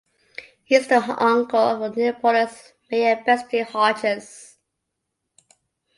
He is the uncle of Minneapolis Mayor Betsy Hodges.